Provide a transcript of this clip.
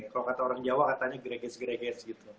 kalau kata orang jawa katanya gereges gereges